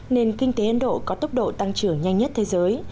nền kinh tế ấn độ có tốc độ tăng trưởng nhanh nhất thế giới